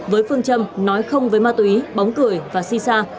với phương châm nói không với ma túy bóng cười và si sa